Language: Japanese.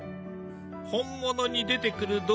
本物に出てくる